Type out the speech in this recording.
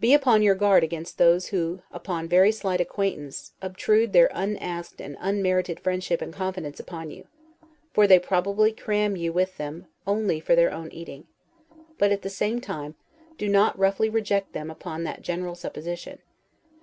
Be upon your guard against those who upon very slight acquaintance, obtrude their unasked and unmerited friendship and confidence upon you; for they probably cram you with them only for their own eating; but, at the same time, do not roughly reject them upon that general supposition.